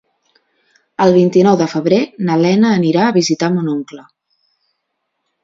El vint-i-nou de febrer na Lena anirà a visitar mon oncle.